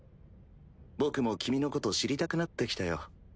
僕も君のこと知りたくなってきたよ